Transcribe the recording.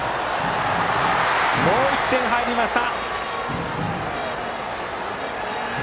もう１点入りました。